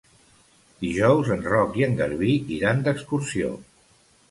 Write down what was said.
Dijous en Roc i en Garbí iran d'excursió.